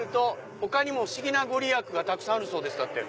他にも不思議な御利益がたくさんあるそうです！だって。